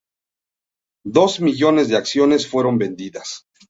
Dos millones de acciones fueron vendidas.